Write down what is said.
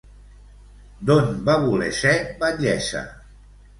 D'on va voler ser batllessa?